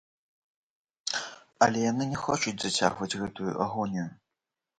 Але яны не хочуць зацягваць гэтую агонію.